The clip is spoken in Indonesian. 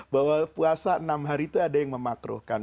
bahwa puasa enam hari itu ada yang memakruhkan